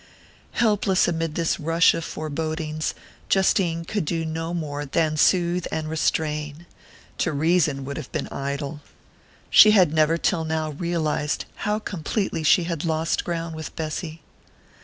Helpless amid this rush of forebodings, Justine could do no more than soothe and restrain to reason would have been idle. She had never till now realized how completely she had lost ground with Bessy.